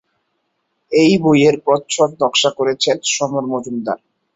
এই বইয়ের প্রচ্ছদ নকশা করেছেন সমর মজুমদার।